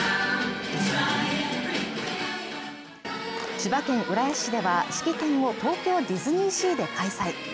千葉県浦安市では式典を東京ディズニーシーで開催